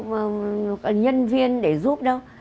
mà còn nhân viên để giúp đâu